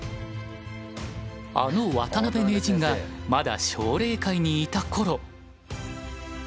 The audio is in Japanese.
あの渡辺名人がまだ奨励会にいた頃。